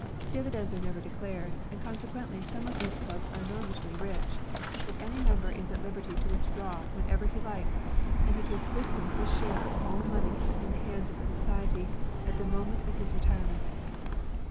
Dividends are never declared, and conse quently some of these clubs are enormously rich ; but any member is at liberty to withdraw whenever he likes, and he takes with him his share of all moneys in the hands of the Society at the moment of his re tirement.